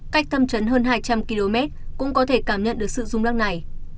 cách thăm trấn hơn hai trăm linh km cũng có thể cảm nhận được sự rung lắc này